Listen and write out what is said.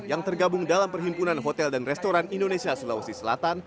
yang tergabung dalam perhimpunan hotel dan restoran indonesia sulawesi selatan